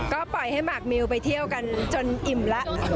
ก็ปล่อยให้หมากมิวไปเที่ยวกันจนอิ่มแล้ว